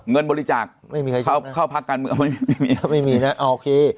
เงินบริจาคไม่มีใครชกนะเข้าเข้าพักกันไม่มีไม่มีนะอ่าโอเค